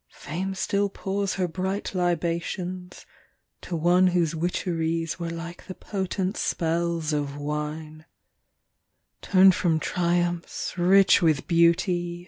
Fame still pours her bright libations To one whose witcheries were like the potent spells of wine ; Turned from triumphs rich with beauty.